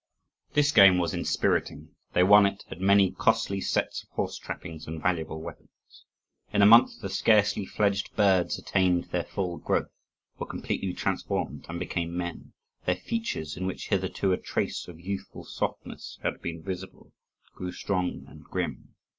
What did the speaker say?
This game was inspiriting; they won at it many costly sets of horse trappings and valuable weapons. In a month the scarcely fledged birds attained their full growth, were completely transformed, and became men; their features, in which hitherto a trace of youthful softness had been visible, grew strong and grim.